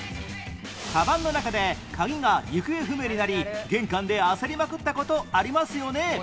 カバンの中でカギが行方不明になり玄関で焦りまくった事ありますよね